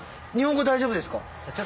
日本語大丈夫ですか？